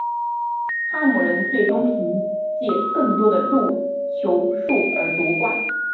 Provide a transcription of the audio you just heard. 哈姆人最终凭借更多的入球数而夺冠。